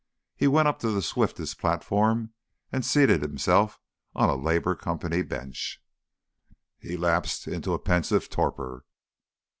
He went up to the swiftest platform, and seated himself on a Labour Company bench. He lapsed into a pensive torpor.